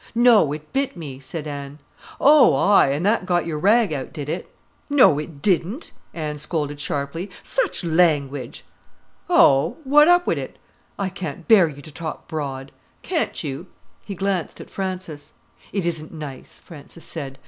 "No, it bit me," said Anne. "Oh, aye! An' that got your rag out, did it?" "No, it didn't!" Anne scolded sharply. "Such language!" "Oh, what's up wi' it?" "I can't bear you to talk broad." "Can't you?" He glanced at Frances. "It isn't nice," Frances said.